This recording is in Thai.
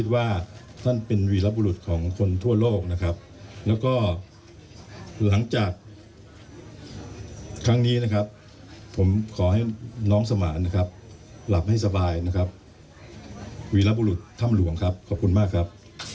วีรบุรุษถ้ำหลวงครับขอบคุณมากครับ